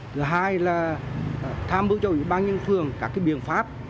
thứ hai là tham mưu cho ủy ban nhân phường các biện pháp